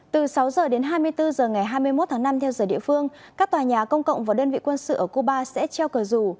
từ sáu h đến hai mươi bốn h ngày hai mươi một tháng năm theo giờ địa phương các tòa nhà công cộng và đơn vị quân sự ở cuba sẽ treo cờ rủ